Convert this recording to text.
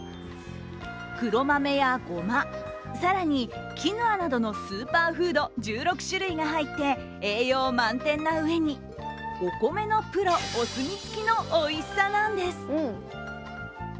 黒豆やごま、更にキヌアなどのスーパーフード１６種類が入って、栄養満点なうえにお米のプロお墨付きのおいしさなんです。